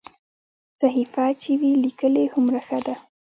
صحیفه چې وي لیکلې هومره ښه ده.